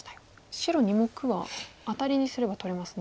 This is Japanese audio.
白２目はアタリにすれば取れますね。